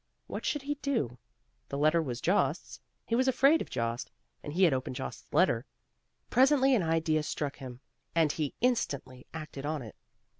What should he do? The letter was Jost's. He was afraid of Jost, and he had opened Jost's letter! Presently an idea struck him, and he instantly acted on it.